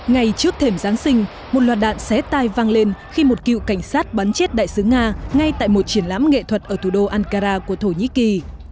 ngay trước thềm giáng sinh một loạt đạn xé tai vang lên khi một cựu cảnh sát bắn chết đại sứ nga ngay tại một triển lãm nghệ thuật ở thủ đô ankara của thổ nhĩ kỳ